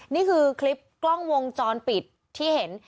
นี่คือคลิปกล้องวงจรปิดที่เห็น